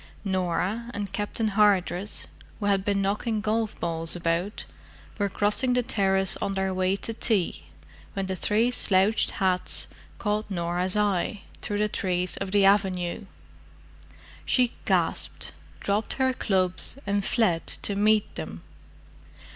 Norah and Captain Hardress, who had been knocking golf balls about, were crossing the terrace on their way to tea when the three slouched hats caught Norah's eye through the trees of the avenue. She gasped, dropped her clubs, and fled to meet them.